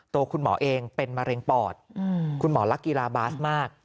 ตัวคุณหมอเองเป็นมะเร็งปอดคุณหมอรักกีฬาบาสมาก